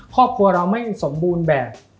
ครอบครัวเราไม่สมบูรณ์แบบ